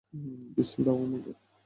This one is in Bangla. পিস্তল দাও আমাকে!